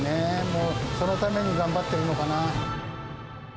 もう、そのために頑張っているのかな。